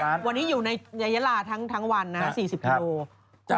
คือวันนี้อยู่ในยะลาทั้งวันนะฮะ๔๐กิโล